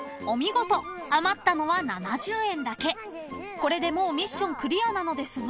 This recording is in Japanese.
［これでもうミッションクリアなのですが］